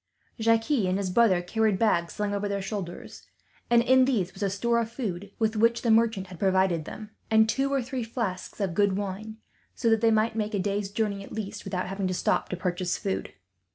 Jacques and his brother carried bags slung over their shoulders, and in these was a store of food with which the merchant had provided them, and two or three flasks of good wine; so that they might make a day's journey, at least, without having to stop to purchase food.